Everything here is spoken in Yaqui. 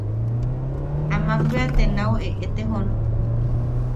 Amak bea te nau eʼetejon.